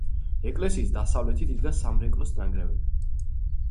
ეკლესიის დასავლეთით იდგა სამრეკლოს ნანგრევები.